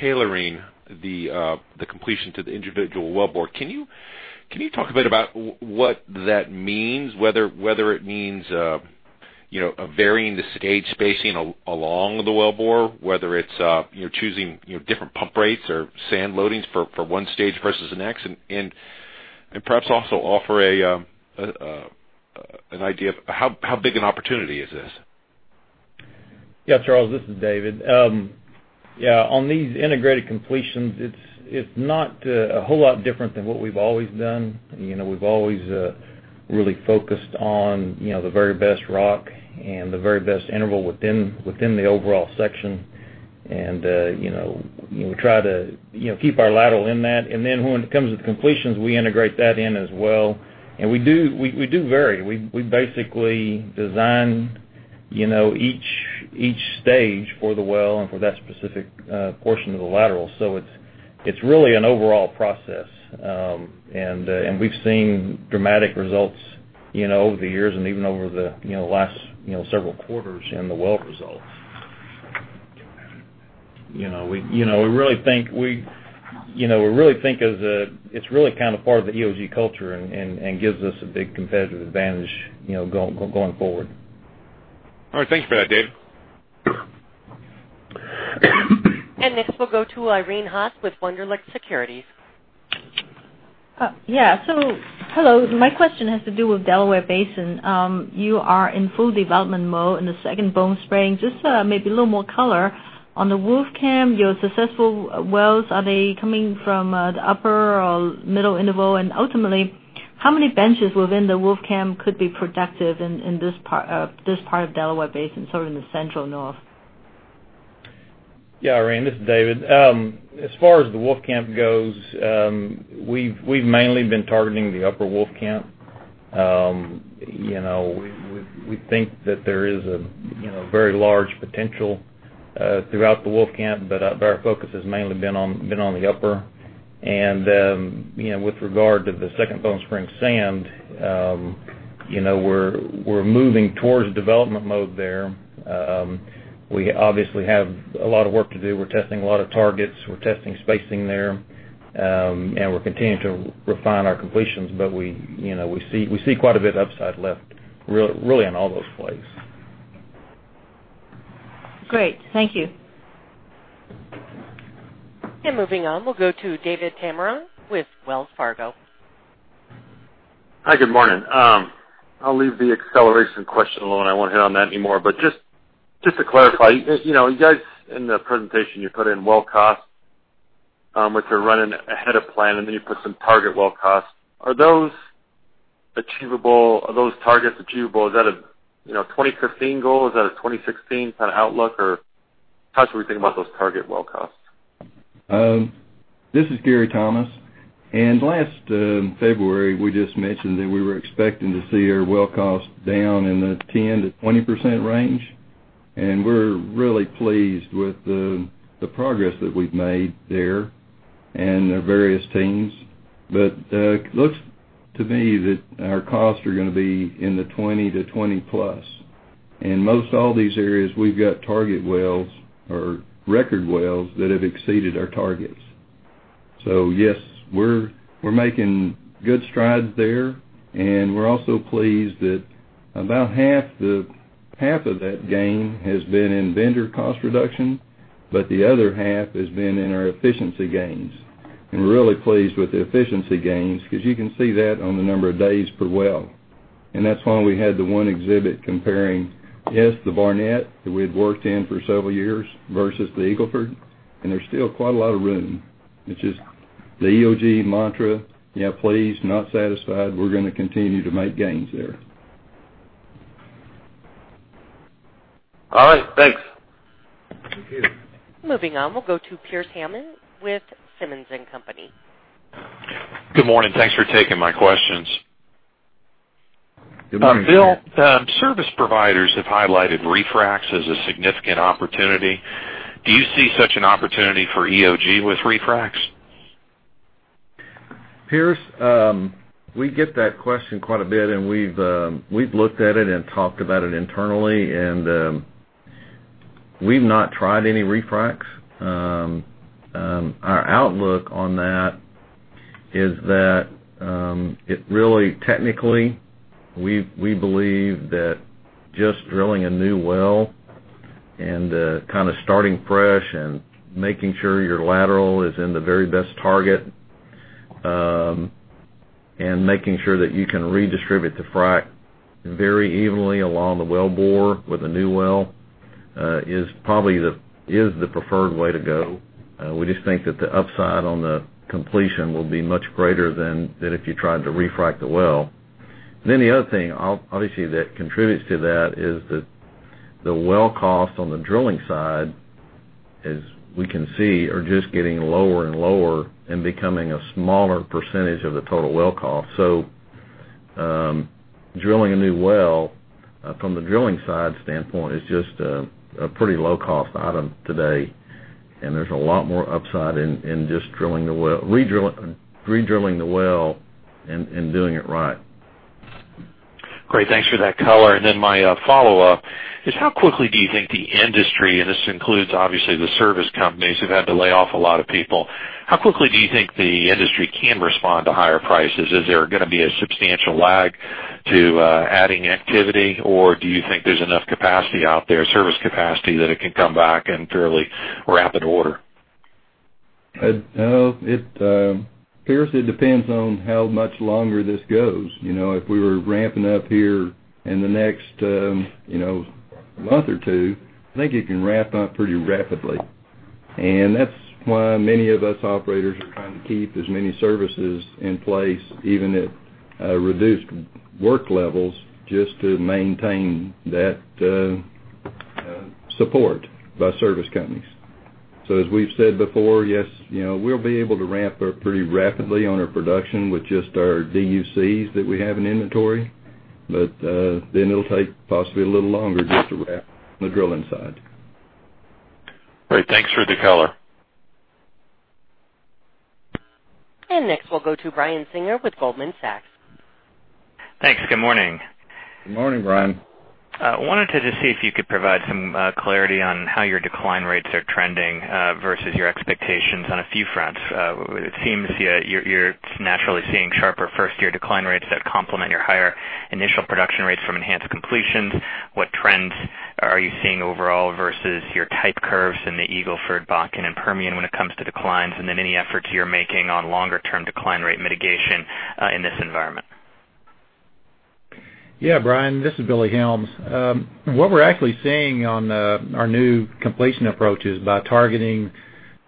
[SPEAKER 12] tailoring the completion to the individual wellbore. Can you talk a bit about what that means, whether it means varying the stage spacing along the wellbore, whether it's choosing different pump rates or sand loadings for 1 stage versus the next? Perhaps also offer an idea of how big an opportunity is this?
[SPEAKER 4] Yes, Charles, this is David. On these integrated completions, it's not a whole lot different than what we've always done. We've always really focused on the very best rock and the very best interval within the overall section. We try to keep our lateral in that. Then when it comes to the completions, we integrate that in as well. We do vary. We basically design each stage for the well and for that specific portion of the lateral. It's really an overall process. We've seen dramatic results over the years and even over the last several quarters in the well results. We really think it's part of the EOG culture and gives us a big competitive advantage going forward.
[SPEAKER 12] All right. Thank you for that, David.
[SPEAKER 1] Next we'll go to Irene Haas with Wunderlich Securities.
[SPEAKER 13] Hello. My question has to do with Delaware Basin. You are in full development mode in the Second Bone Spring. Just maybe a little more color. On the Wolfcamp, your successful wells, are they coming from the Upper or middle interval? Ultimately, how many benches within the Wolfcamp could be productive in this part of Delaware Basin, so in the central north?
[SPEAKER 4] Yeah, Irene, this is David. As far as the Wolfcamp goes, we've mainly been targeting the Upper Wolfcamp. We think that there is a very large potential throughout the Wolfcamp, but our focus has mainly been on the upper. With regard to the Second Bone Spring Sand, we're moving towards development mode there. We obviously have a lot of work to do. We're testing a lot of targets. We're testing spacing there. We're continuing to refine our completions, but we see quite a bit of upside left, really in all those plays.
[SPEAKER 13] Great. Thank you.
[SPEAKER 1] Moving on, we'll go to David Tameron with Wells Fargo.
[SPEAKER 14] Hi, good morning. I'll leave the acceleration question alone. I won't hit on that anymore. Just to clarify, you guys in the presentation, you put in well costs, which are running ahead of plan, and then you put some target well costs. Are those targets achievable? Is that a 2015 goal? Is that a 2016 kind of outlook? How should we think about those target well costs?
[SPEAKER 10] This is Gary Thomas. Last February, we just mentioned that we were expecting to see our well costs down in the 10%-20% range. We're really pleased with the progress that we've made there and the various teams. It looks to me that our costs are going to be in the 20%-20%+. In most all these areas, we've got target wells or record wells that have exceeded our targets. Yes, we're making good strides there, and we're also pleased that about half of that gain has been in vendor cost reduction, but the other half has been in our efficiency gains. We're really pleased with the efficiency gains, because you can see that on the number of days per well. That's why we had the one exhibit comparing, yes, the Barnett that we had worked in for several years versus the Eagle Ford, and there's still quite a lot of room. It's just the EOG mantra. Yeah, pleased, not satisfied. We're going to continue to make gains there.
[SPEAKER 14] All right, thanks.
[SPEAKER 10] Thank you.
[SPEAKER 1] Moving on, we'll go to Pearce Hammond with Simmons & Company.
[SPEAKER 15] Good morning. Thanks for taking my questions.
[SPEAKER 10] Good morning, Pearce.
[SPEAKER 15] Bill, service providers have highlighted refracs as a significant opportunity. Do you see such an opportunity for EOG with refracs?
[SPEAKER 3] Pearce, we get that question quite a bit. We've looked at it and talked about it internally, and we've not tried any refracs. Our outlook on that is that it really, technically, we believe that just drilling a new well and kind of starting fresh and making sure your lateral is in the very best target, and making sure that you can redistribute the frac very evenly along the wellbore with a new well, is the preferred way to go. We just think that the upside on the completion will be much greater than if you tried to refrac the well. Then the other thing, obviously, that contributes to that is that the well cost on the drilling side, as we can see, are just getting lower and lower and becoming a smaller percentage of the total well cost. drilling a new well from the drilling side standpoint is just a pretty low-cost item today. There's a lot more upside in just redrilling the well and doing it right.
[SPEAKER 15] Great. Thanks for that color. My follow-up is, how quickly do you think the industry, and this includes, obviously, the service companies who've had to lay off a lot of people, how quickly do you think the industry can respond to higher prices? Is there going to be a substantial lag to adding activity, or do you think there's enough capacity out there, service capacity, that it can come back in fairly rapid order?
[SPEAKER 3] Pearce, it depends on how much longer this goes. If we were ramping up here in the next month or two, I think it can ramp up pretty rapidly. That's why many of us operators are trying to keep as many services in place, even at reduced work levels, just to maintain that support by service companies. As we've said before, yes, we'll be able to ramp up pretty rapidly on our production with just our DUCs that we have in inventory. It'll take possibly a little longer just to wrap on the drilling side.
[SPEAKER 15] Great. Thanks for the color.
[SPEAKER 1] Next, we'll go to Brian Singer with Goldman Sachs.
[SPEAKER 16] Thanks. Good morning.
[SPEAKER 10] Good morning, Brian.
[SPEAKER 16] I wanted to just see if you could provide some clarity on how your decline rates are trending versus your expectations on a few fronts. It seems you're naturally seeing sharper first-year decline rates that complement your higher initial production rates from enhanced completions. What trends are you seeing overall versus your type curves in the Eagle Ford, Bakken, and Permian when it comes to declines? Then any efforts you're making on longer-term decline rate mitigation in this environment?
[SPEAKER 5] Yeah, Brian, this is Billy Helms. What we're actually seeing on our new completion approaches by targeting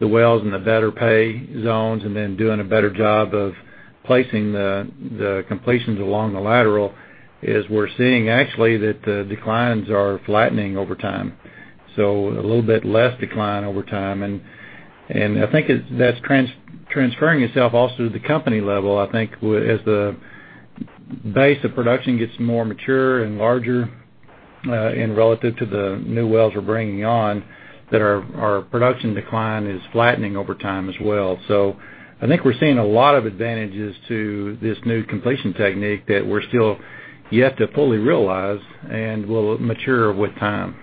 [SPEAKER 5] the wells in the better pay zones and then doing a better job of placing the completions along the lateral, is we're seeing actually that the declines are flattening over time. A little bit less decline over time, and I think that's transferring itself also to the company level. I think as the base of production gets more mature and larger, and relative to the new wells we're bringing on, that our production decline is flattening over time as well. I think we're seeing a lot of advantages to this new completion technique that we're still yet to fully realize and will mature with time.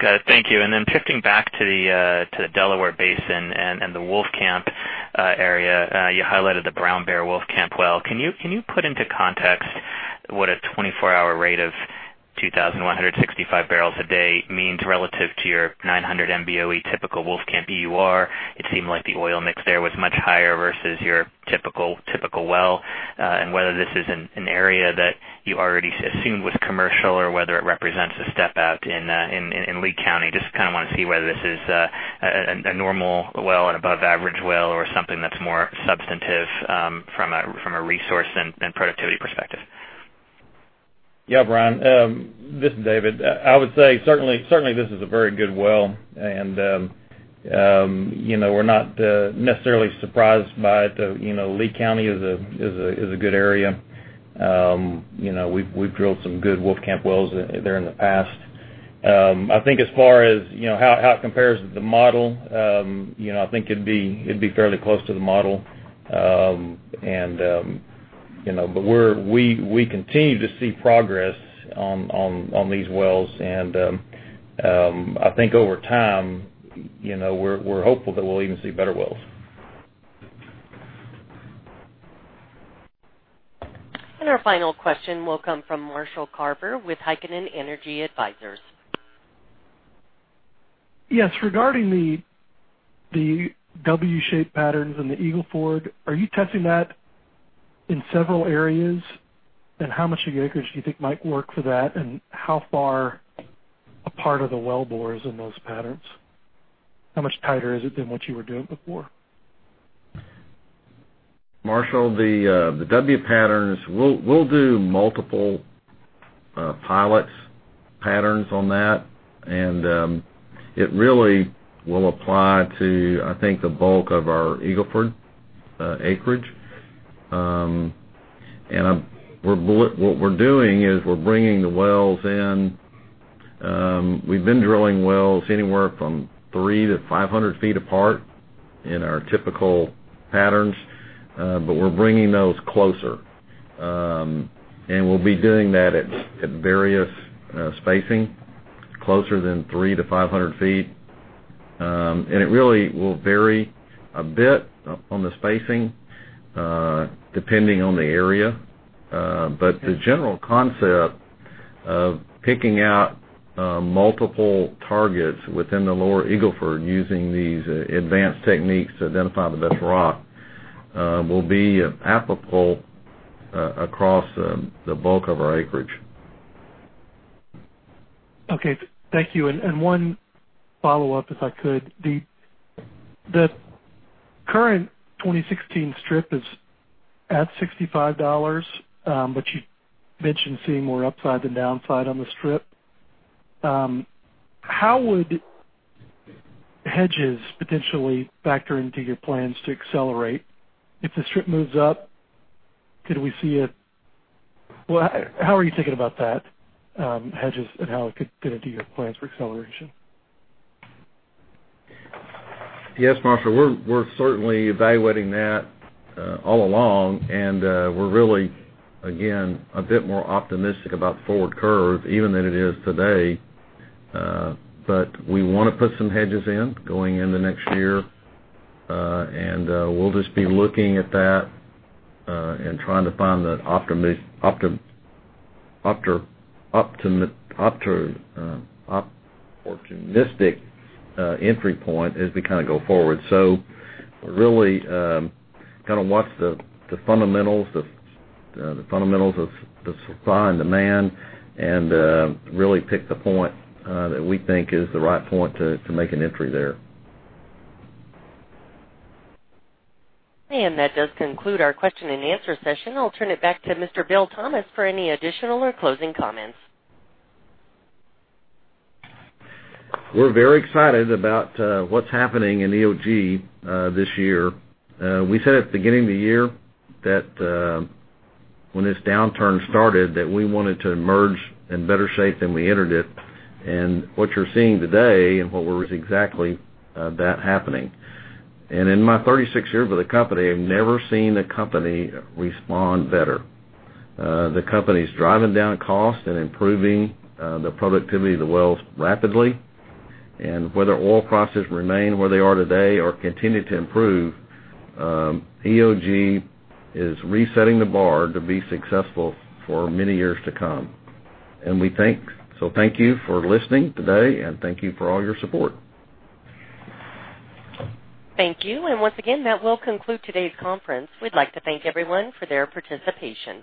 [SPEAKER 16] Got it. Thank you. Shifting back to the Delaware Basin and the Wolfcamp area, you highlighted the Brown Bear Wolfcamp well. Can you put into context what a 24-hour rate of 2,165 barrels a day means relative to your 900 MBOE typical Wolfcamp EUR? It seemed like the oil mix there was much higher versus your typical well. And whether this is an area that you already assumed was commercial or whether it represents a step out in Lea County. Just want to see whether this is a normal well, an above average well, or something that's more substantive from a resource and productivity perspective.
[SPEAKER 4] Yeah, Brian, this is David. I would say certainly this is a very good well, and we're not necessarily surprised by it. Lea County is a good area. We've drilled some good Wolfcamp wells there in the past. I think as far as how it compares with the model, I think it'd be fairly close to the model. We continue to see progress on these wells, and I think over time, we are hopeful that we'll even see better wells.
[SPEAKER 1] Our final question will come from Marshall Carver with Heikkinen Energy Advisors.
[SPEAKER 17] Yes. Regarding the W shape patterns in the Eagle Ford, are you testing that in several areas? How much of the acreage do you think might work for that? How far apart the wellbore is in those patterns? How much tighter is it than what you were doing before?
[SPEAKER 3] Marshall, the W patterns, we'll do multiple pilot patterns on that. It really will apply to, I think, the bulk of our Eagle Ford acreage. What we're doing is we're bringing the wells in. We've been drilling wells anywhere from three to 500 feet apart in our typical patterns. We're bringing those closer. We'll be doing that at various spacing, closer than three to 500 feet. It really will vary a bit on the spacing, depending on the area. The general concept of picking out multiple targets within the Lower Eagle Ford using these advanced techniques to identify the best rock will be applicable across the bulk of our acreage.
[SPEAKER 17] Okay. Thank you. One follow-up, if I could. The current 2016 strip is at $65. You mentioned seeing more upside than downside on the strip. How would hedges potentially factor into your plans to accelerate? If the strip moves up, could we see it? How are you thinking about that, hedges and how it could fit into your plans for acceleration?
[SPEAKER 3] Yes, Marshall. We're certainly evaluating that all along. We're really, again, a bit more optimistic about the forward curve, even than it is today. We want to put some hedges in going into next year. We'll just be looking at that and trying to find the opportunistic entry point as we go forward. Really watch the fundamentals of the supply and demand and really pick the point that we think is the right point to make an entry there.
[SPEAKER 1] That does conclude our question and answer session. I'll turn it back to Mr. Bill Thomas for any additional or closing comments.
[SPEAKER 3] We're very excited about what's happening in EOG this year. We said at the beginning of the year that when this downturn started, that we wanted to emerge in better shape than we entered it. What you're seeing today is exactly that happening. In my 36 years with the company, I've never seen a company respond better. The company's driving down costs and improving the productivity of the wells rapidly. Whether oil prices remain where they are today or continue to improve, EOG is resetting the bar to be successful for many years to come. Thank you for listening today, and thank you for all your support.
[SPEAKER 1] Thank you. Once again, that will conclude today's conference. We'd like to thank everyone for their participation.